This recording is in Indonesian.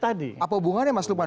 apa hubungannya mas lupwan